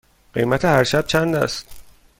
قیمت هر شب چند است؟